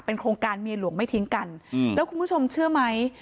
โครงการเมียหลวงไม่ทิ้งกันแล้วคุณผู้ชมเชื่อไหม